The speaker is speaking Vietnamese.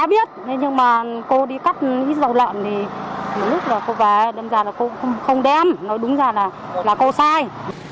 cô có biết nhưng mà cô đi cắt ít dầu lợn thì một lúc là cô về đâm ra là cô không đem nói đúng ra là cô sai